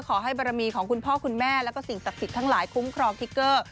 ขอให้บรมีของคุณพ่อคุณแม่แล้วก็สิ่งศักดิ์สิทธิ์ทั้งหลายคุ้มครองทิกเกอร์